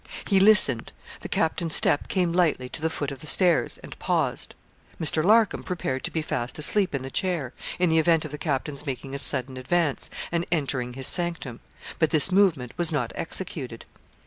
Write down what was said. He listened; the captain's step came lightly to the foot of the stairs, and paused. Mr. Larcom prepared to be fast asleep in the chair, in the event of the captain's making a sudden advance, and entering his sanctum. But this movement was not executed.